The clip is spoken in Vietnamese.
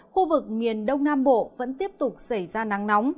khu vực miền đông nam bộ vẫn tiếp tục xảy ra nắng nóng